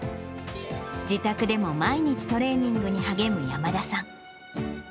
自宅でも毎日トレーニングに励む山田さん。